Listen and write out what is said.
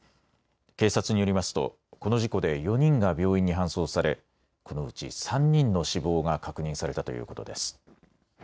警察によりますとこの事故で４人が病院に搬送されこのうち３人の死亡が確認されたということです。